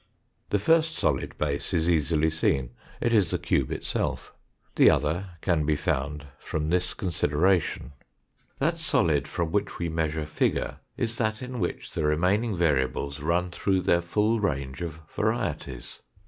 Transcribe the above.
The first solid base is easily seen, it is the cube itself. The other can be found from this consideration. That soli(J from which we measure figure is that in "tHE USE Of tfOtift blMENSlONS IN THOUGflt 9* which the remaining variables run through their full range of varieties.